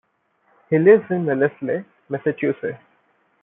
He lives in Wellesley, Massachusetts.